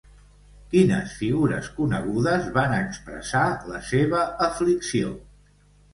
Quines figures conegudes van expressar la seva aflicció?